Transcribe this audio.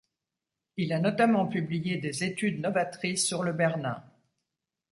Il a notamment publié des études novatrices sur Le Bernin.